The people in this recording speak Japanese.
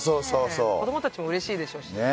子供たちもうれしいでしょうしね。